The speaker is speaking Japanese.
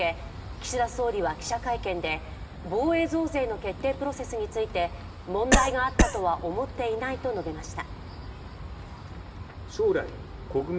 岸田総理は記者会見で防衛増税の決定プロセスについて問題があったとは思っていないと述べました。